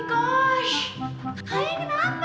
nggak apa apa terusin aja